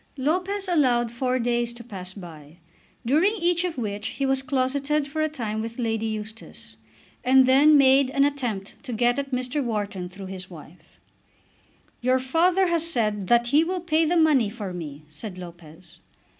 Lopez allowed four days to pass by, during each of which he was closeted for a time with Lady Eustace, and then made an attempt to get at Mr. Wharton through his wife. "Your father has said that he will pay the money for me," said Lopez.